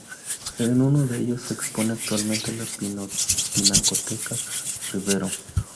En uno de ellos, se expone actualmente la Pinacoteca Rivero.